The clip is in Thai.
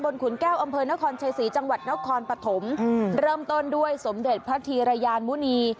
ขุนแก้วอำเภอนครชัยศรีจังหวัดนครปฐมเริ่มต้นด้วยสมเด็จพระธีรยานมุณี